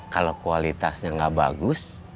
kalau kualitasnya nggak bagus